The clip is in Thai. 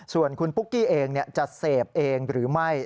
ส่วนคุณปุ๊กกี้เองจะเสพเองหรือไม่